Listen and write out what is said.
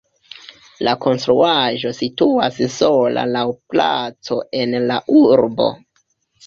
La konstruaĵo situas sola laŭ placo en la urbo.